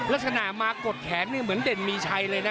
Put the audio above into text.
ลักษณะมากดแขนนี่เหมือนเด่นมีชัยเลยนะ